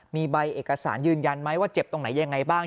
มีใบเอกสารยืนยันไหมว่าเจ็บตรงไหนยังไงบ้าง